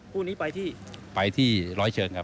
คู่นี้ไปที่ไปที่ร้อยเชิงครับ